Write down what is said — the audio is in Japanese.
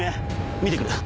見てくる。